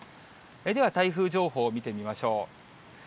では、台風情報を見てみましょう。